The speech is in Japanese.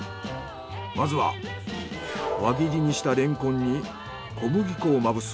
まずは輪切りにしたレンコンに小麦粉をまぶす。